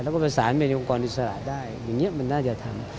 แล้วก็ประสานไปยังองค์กรอิสระได้อย่างนี้มันน่าจะทำ